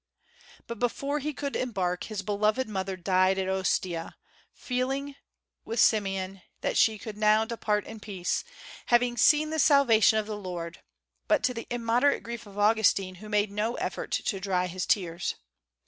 But before he could embark, his beloved mother died at Ostia, feeling, with Simeon, that she could now depart in peace, having seen the salvation of the Lord, but to the immoderate grief of Augustine who made no effort to dry his tears.